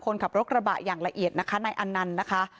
คนขับรถกระบะอย่างละเอียดนะคะนายอันนันต์นะคะ